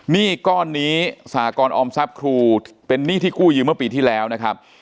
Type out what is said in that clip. หนี้ก้อนนี้สหกรออมทรัพย์ครูเป็นหนี้ที่กู้ยืมเมื่อปีที่แล้วนะครับ